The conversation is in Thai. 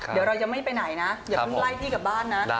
เดี๋ยวเรายังไม่ไปไหนนะก็กดไลก์พี่กับบ้านนะ